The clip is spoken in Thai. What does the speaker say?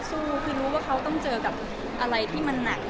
สู้คือรู้ว่าเขาต้องเจอกับอะไรที่มันหนัก